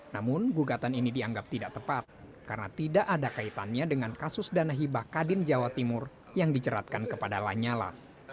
namun gugatan ini dianggap tidak tepat karena tidak ada kaitannya dengan kasus dana hibah kadin jawa timur yang diceratkan kepada lanyala